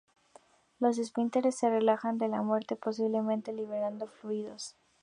Los esfínteres se relajan en la muerte, posiblemente liberando fluidos.